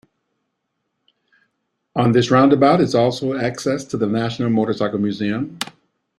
On this roundabout is also access to the National Motorcycle Museum.